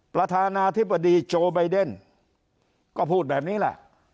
ประธานาธิบดีโจไบเดนก็พูดแบบนี้แหละ